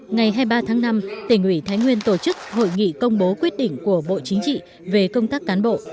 ngày hai mươi ba tháng năm tỉnh ủy thái nguyên tổ chức hội nghị công bố quyết định của bộ chính trị về công tác cán bộ